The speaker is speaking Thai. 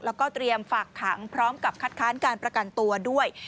แล้วก็เตรียมฝากขังพร้อมกับคัดค้านการประกันตัวด้วย